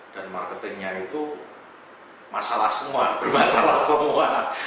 dan marketingnya itu masalah semua bermasalah semua